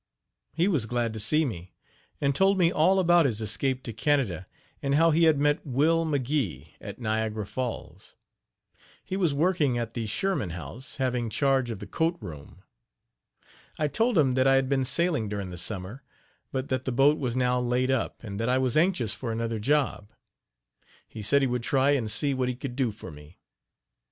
He was glad to see me, and told me all about his escape to Canada, and how he had met Will McGee, at Niagara Falls. He was working at the Sherman House, having charge of the coat room. I told him that I had been sailing during the summer, but that the boat was now laid up, and that I was anxious for another job. He said he would try and see what he could do for me.